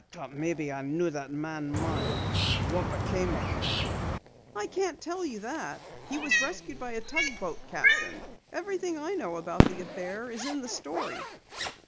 "I thought maybe I knew that man, Munn. What became of him?" "I can't tell you that. He was rescued by a tugboat captain. Everything I know about the affair is in the story."